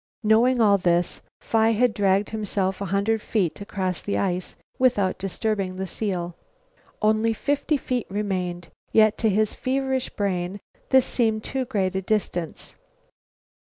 Knowing all this, Phi had dragged himself a hundred feet across the ice, without disturbing the seal. Only fifty feet remained, yet to his feverish brain this seemed too great a distance.